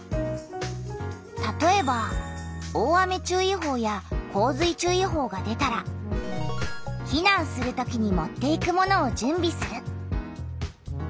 たとえば大雨注意報や洪水注意報が出たら「避難する時に持っていくものを準備する」。